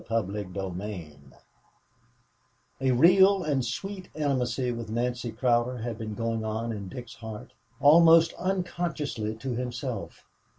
CHAPTER VIII A real and sweet intimacy with Nancy Cowder had been going on in Dick's heart almost unconsciously to himself.